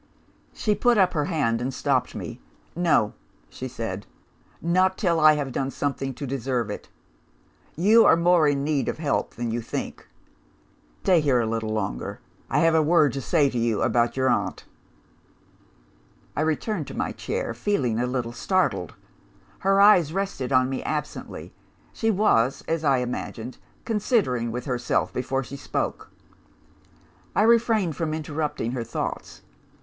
"She put up her hand and stopped me. 'No,' she said, 'not till I have done something to deserve it. You are more in need of help than you think. Stay here a little longer; I have a word to say to you about your aunt.' "I returned to my chair, feeling a little startled. Her eyes rested on me absently she was, as I imagined, considering with herself, before she spoke. I refrained from interrupting her thoughts.